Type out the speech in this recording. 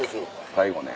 最後ね。